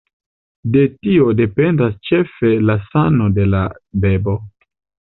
De tio dependas ĉefe la sano de la bebo.